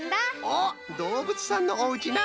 おっどうぶつさんのおうちな。